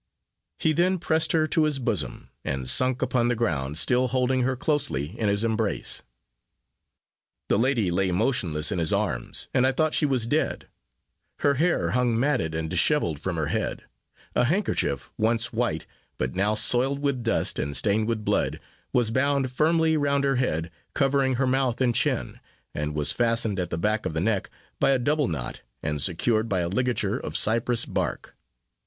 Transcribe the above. He then pressed her to his bosom, and sunk upon the ground, still holding her closely in his embrace. The lady lay motionless in his arms, and I thought she was dead. Her hair hung matted and dishevelled from her head; a handkerchief, once white, but now soiled with dust, and stained with blood, was bound firmly round her head, covering her mouth and chin, and was fastened at the back of the neck, by a double knot, and secured by a ligature of cypress bark.